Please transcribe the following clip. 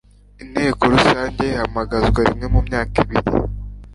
inteko rusange ihamagazwa rimwe mu myaka ibiri